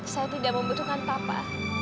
saya tidak membutuhkan papa